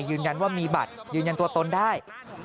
ยืนยันว่ามีบัตรยืนยันตัวตนได้